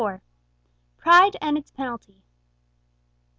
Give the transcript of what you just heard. PRIDE AND ITS PENALTY.